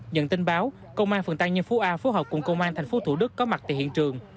nhận tin báo công an tp thủ đức có mặt tại hiện trường